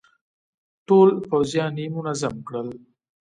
ټول پوځيان يې منظم کړل.